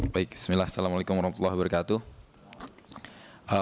baik bismillah assalamu alaikum warahmatullahi wabarakatuh